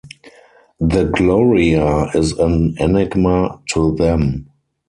The "Gloria" is an enigma to them.